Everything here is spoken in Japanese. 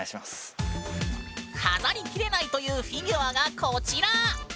飾りきれないというフィギュアがこちら！